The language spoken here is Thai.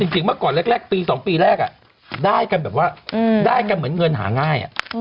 จริงเมื่อก่อนแรกปี๒ปีแรกได้กันเหมือนเงินหาง่าย